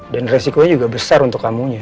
dan resikonya juga besar untuk kamu